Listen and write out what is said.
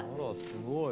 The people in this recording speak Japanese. すごい。